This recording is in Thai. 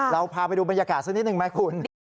เราพาไปดูบรรยากาศสักนิดหนึ่งไหมคุณ